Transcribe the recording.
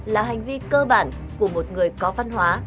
là hành vi cơ bản của một người có văn hóa